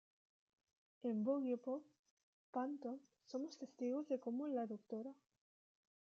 En "Boogiepop Phantom" somos testigos de cómo la Dra.